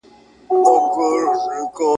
موږ له سدیو ګمراهان یو اشنا نه سمیږو ..